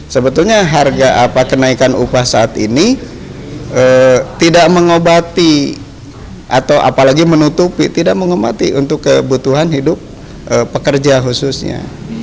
sebetulnya harga apa kenaikan upah saat ini tidak mengobati atau apalagi menutupi tidak mengobati untuk kebutuhan hidup pekerja khususnya